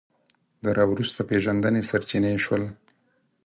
د راوروسته پېژندنې سرچینې شول